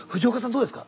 どうですか？